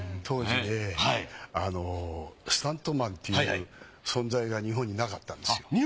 当時ねスタントマンっていう存在が日本になかったんですよ。